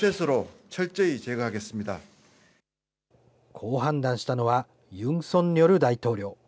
こう判断したのはユン・ソンニョル大統領。